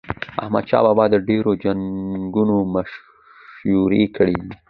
احمد شاه بابا د ډیرو جنګونو مشري کړې ده.